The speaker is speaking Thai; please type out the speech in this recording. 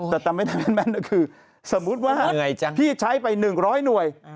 แต่จำไม่ได้แม่นก็คือสมมุติว่าพี่ใช้ไป๑๐๐หน่วย